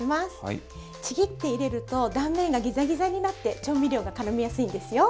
ちぎって入れると断面がギザギザになって調味料がからみやすいんですよ。